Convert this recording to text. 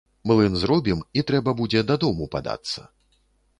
Млын зробім, і трэба будзе дадому падацца.